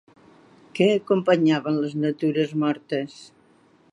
Què acompanyaven les natures mortes?